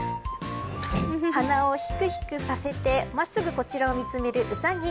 鼻をひくひくさせて真っすぐこちらを見つめるウサギ。